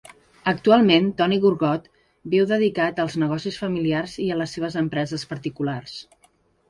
Actualment, Toni Gorgot viu dedicat als negocis familiars i a les seves empreses particulars.